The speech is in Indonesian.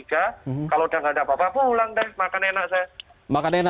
kalau udah nggak ada apa apa pulang deh makan enak saya makan enak